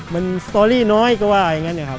มันสตอรี่น้อยก็ว่าอย่างนั้นนะครับ